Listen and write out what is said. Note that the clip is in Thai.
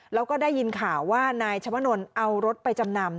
แล้วก็ได้ยินข่าวว่านายชวนลเอารถไปจำนำ